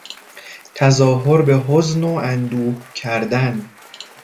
تظاهر به حزن و اندوه کردن